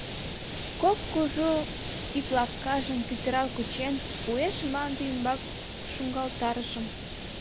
Кок кужу ӱплапкажым пӱтырал кучен, уэш мланде ӱмбак шуҥгалтарышым.